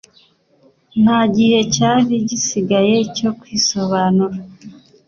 Nta gihe cyari gisigaye cyo kwisobanura.